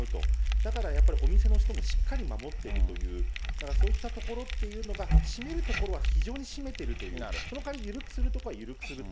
だからやっぱり、お店の人もしっかり守ってるという、そういったところっていうのが、締めるところは非常に締めてるという、そのかわり緩くするところは緩くすると。